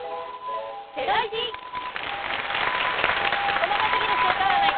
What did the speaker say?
細か過ぎる週間占い！